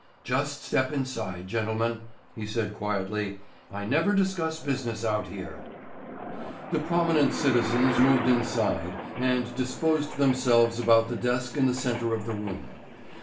"Just step inside, gentlemen," he said quietly. "I never discuss business out here." The prominent citizens moved inside and disposed themselves about the desk in the centre of the room.